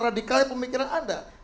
radikal pemikiran anda